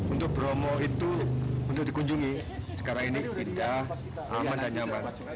untuk bromo itu untuk dikunjungi sekarang ini indah aman dan nyaman